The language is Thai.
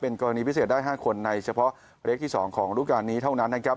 กรณีพิเศษได้๕คนในเฉพาะเลขที่๒ของรูปการณ์นี้เท่านั้นนะครับ